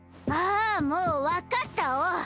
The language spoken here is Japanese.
あもうわかったお！